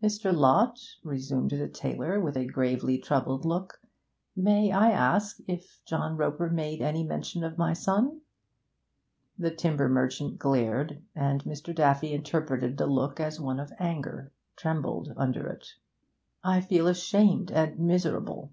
'Mr. Lott,' resumed the tailor, with a gravely troubled look, 'may I ask if John Roper made any mention of my son?' The timber merchant glared, and Mr. Daffy, interpreting the look as one of anger, trembled under it. 'I feel ashamed and miserable!'